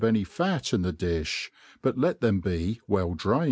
any fat in the difii \ but let them be well drained.